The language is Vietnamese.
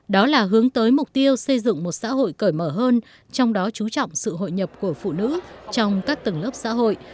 đó là hướng tới mục tiêu xây dựng một xã hội cởi mở hơn trong đó chú trọng sự hội nhập của phụ nữ trong các tầng lớp xã hội